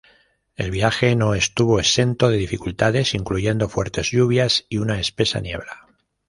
El viaje no estuvo exento de dificultades, incluyendo fuertes lluvias y una espesa niebla.